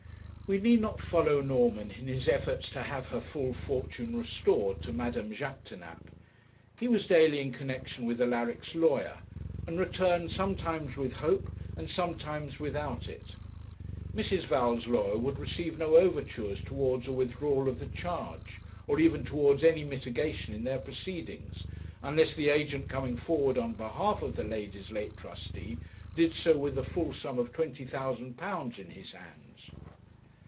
We need not follow Norman in his efforts to have her full fortune restored to Madame Jaquêtanàpe. He was daily in connexion with Alaric's lawyer, and returned sometimes with hope and sometimes without it. Mrs. Val's lawyer would receive no overtures towards a withdrawal of the charge, or even towards any mitigation in their proceedings, unless the agent coming forward on behalf of the lady's late trustee, did so with the full sum of £20,000 in his hands.